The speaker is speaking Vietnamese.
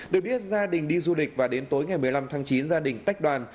được biết gia đình đi du lịch và đến tối ngày một mươi năm tháng chín gia đình tách đoàn